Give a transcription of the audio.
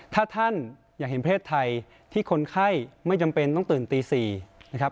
ถ้าท่านอยากเห็นเพศไทยที่คนไข้ไม่จำเป็นต้องตื่นตี๔นะครับ